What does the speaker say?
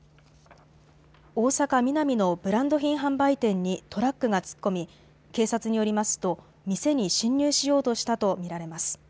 大阪ミナミのブランド品販売店にトラックが突っ込み警察によりますと店に侵入しようとしたと見られます。